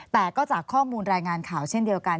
แต่ก็จากข้อมูลรายงานข่าวเช่นเดียวกัน